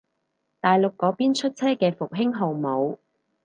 大陸嗰邊出車嘅復興號冇